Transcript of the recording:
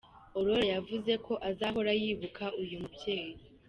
Aurore yavuze ko azahora yibuka uyu mubyeyi.